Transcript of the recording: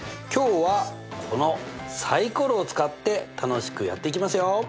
今日はこのサイコロを使って楽しくやっていきますよ！